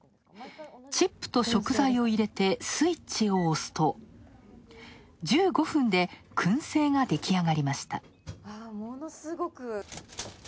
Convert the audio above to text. チップと食材を入れてスイッチを押すと１５分でくん製が出来上がりました。